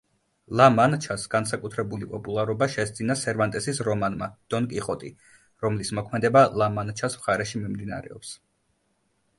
ლა-მანჩას განსაკუთრებული პოპულარობა შესძინა სერვანტესის რომანმა „დონ კიხოტი“, რომლის მოქმედება ლა-მანჩას მხარეში მიმდინარეობს.